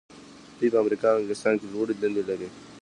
دوی په امریکا او انګلستان کې لوړې دندې لري.